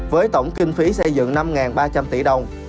với tổng kinh phí xây dựng năm ba trăm linh tỷ đồng